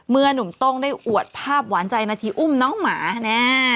หนุ่มโต้งได้อวดภาพหวานใจนาทีอุ้มน้องหมาแน่